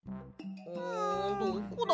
んどこだ？